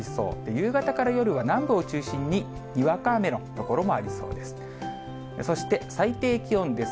夕方から夜は、南部を中心ににわか雨の所もありそうです。